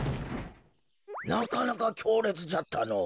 なかなかきょうれつじゃったのお。